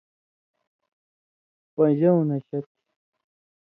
پَن٘ژؤں نشہ تھی؛